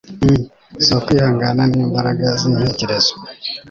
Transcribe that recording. zo kwihangana nimbaraga zintekerezo